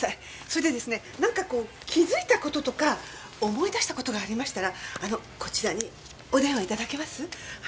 それでですねなんかこう気づいた事とか思い出した事がありましたらこちらにお電話頂けます？